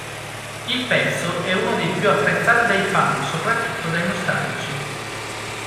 Il pezzo è uno dei più apprezzati dai fans, soprattutto dai nostalgici.